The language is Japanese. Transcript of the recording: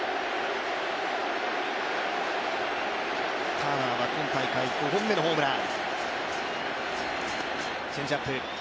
ターナーは今大会５本目のホームラン。